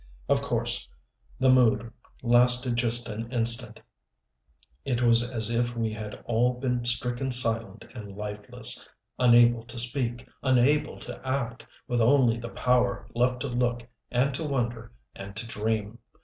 Of course the mood lasted just an instant. It was as if we had all been stricken silent and lifeless, unable to speak, unable to act, with only the power left to look and to wonder and to dream.